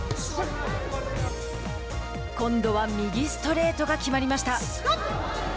今度は右ストレートが決まりました。